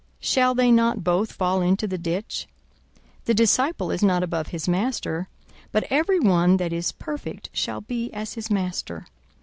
shall they not both fall into the ditch? 42:006:040 The disciple is not above his master: but every one that is perfect shall be as his master.